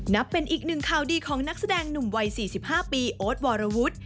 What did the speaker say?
นับเป็นอีกหนึ่งข่าวดีของนักแสดงหนุ่มวัย๔๕ปีโอ๊ตวรวุฒิ